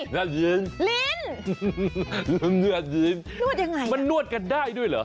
นวดลิ้นลิ้นนวดลิ้นนวดยังไงมันนวดกันได้ด้วยเหรอ